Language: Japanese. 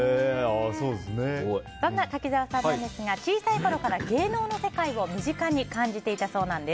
そんな柿澤さんですが小さいころから芸能の世界を身近に感じていたそうなんです。